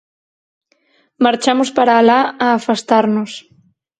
Marchamos para alá a afastarnos.